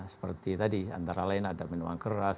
seperti tadi antara lain ada minuman keras